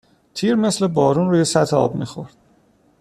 تیر مثل بارون روی سطح آب میخورد